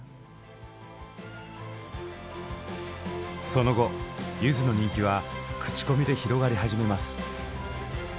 その後ゆずの人気は口コミで広がり始めます。